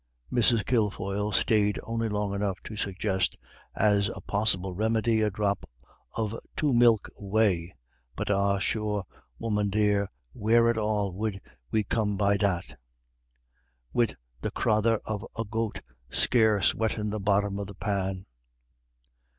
Mrs. Kilfoyle stayed only long enough to suggest, as a possible remedy, a drop of two milk whey. "But ah, sure, woman dear, where at all 'ud we come by that, wid the crathur of a goat scarce wettin' the bottom of the pan?"